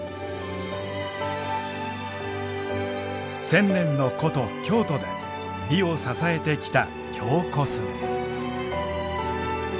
千年の古都京都で美を支えてきた京コスメ。